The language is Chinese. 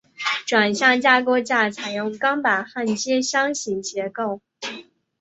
转向架构架采用钢板焊接箱型结构。